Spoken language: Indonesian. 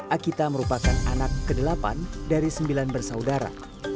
akita merupakan anak ke delapan dari sembilan bersaudara